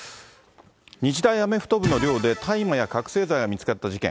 日大アメフト部の寮で大麻や覚醒剤が見つかった事件。